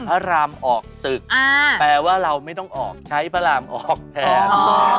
พระรามออกศึกแปลว่าเราไม่ต้องออกใช้พระรามออกแทน